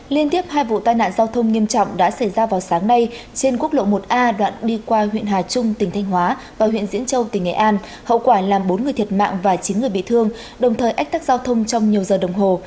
liên tiếp hai vụ tai nạn giao thông nghiêm trọng đã xảy ra vào sáng nay trên quốc lộ một a đoạn đi qua huyện hà trung tỉnh thanh hóa và huyện diễn châu tỉnh nghệ an hậu quả làm bốn người thiệt mạng và chín người bị thương đồng thời ách tắc giao thông trong nhiều giờ đồng hồ